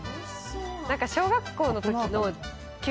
何か小学校のときの。